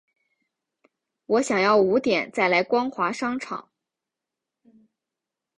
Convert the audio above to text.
我想要五点再来光华商场